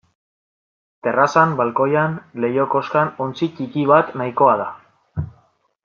Terrazan, balkoian, leiho-koskan ontzi ttiki bat nahikoa da.